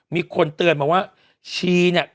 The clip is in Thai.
มีคนเตือนมาว่าชีเนี่ย